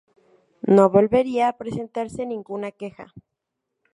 No volvería a presentarse ninguna queja.